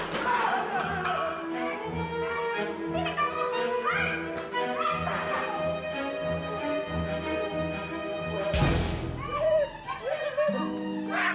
pasti boleh jalan keluar